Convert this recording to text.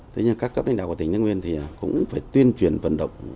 tuy nhiên các cấp lãnh đạo của tỉnh tng cũng phải tuyên truyền vận động